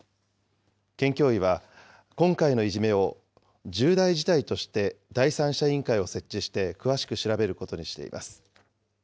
県教委は、今回のいじめを重大事態として第三者委員会を設置して詳しく調べることにしています。